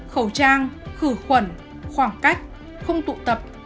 khẩu trang khử khuẩn khoảng cách không tụ tập